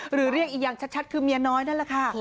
เรียกอีกอย่างชัดคือเมียน้อยนั่นแหละค่ะ